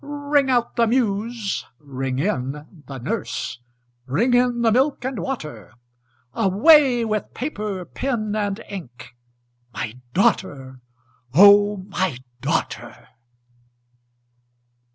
Ring out the muse! ring in the nurse! Ring in the milk and water! Away with paper, pen, and ink My daughter, O my daughter!